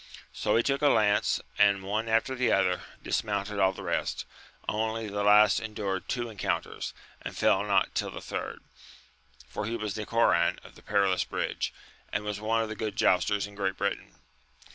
So he took a lance, and one after the other, dismounted all the rest ; only the last endured two encounters, and fell not till the third, for he was Nicoran of the Perilous Bridge, and was one of the good jousters in Great Britain.